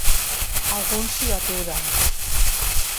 Alguns s'hi aturen.